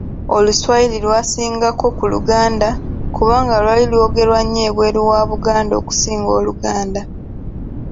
Oluswayiri lwasingako ku Luganda kubanga lwali lwogerwa nnyo ebweru wa Buganda okusinga Oluganda.